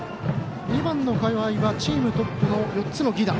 ２番、河合はチームトップ４つの犠打。